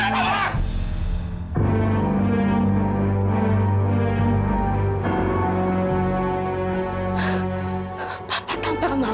papa tampil ke mama